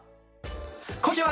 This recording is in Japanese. こんにちは。